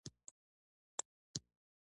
د انرژي څښاک بازار څنګه دی؟